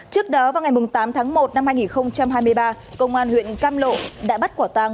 trước đó vào ngày tám tháng một năm hai nghìn hai mươi ba công an huyện cam lộ đã bắt quả tàng